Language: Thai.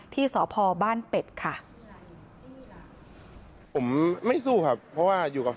ที่สพบ้านเป็ดค่ะ